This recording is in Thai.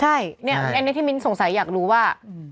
ใช่อันนี้ที่มิ้นสงสัยอยากรู้ว่า